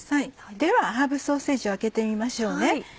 ではハーブソーセージを開けてみましょうね。